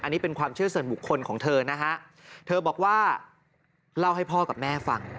อันนี้เป็นความเชื่อส่วนบุคคลของเธอนะฮะเธอบอกว่าเล่าให้พ่อกับแม่ฟัง